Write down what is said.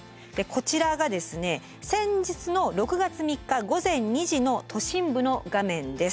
こちらが先日の６月３日午前２時の都心部の画面です。